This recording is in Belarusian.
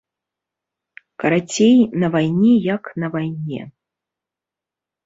Карацей, на вайне як на вайне.